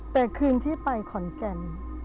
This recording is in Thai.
แต่คืนที่ไปขอนแก่น